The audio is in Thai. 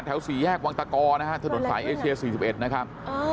๔แยกวังตะกอนะฮะถนนสายเอเชีย๔๑นะครับ